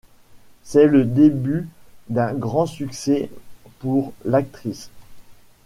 C'est le début d'un grand succès pour l’actrice.